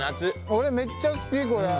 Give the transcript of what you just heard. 俺めっちゃ好きこれ。